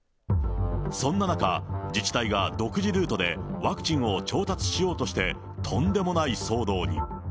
そんな中、自治体が独自ルートでワクチンを調達しようとして、とんでもない騒動に。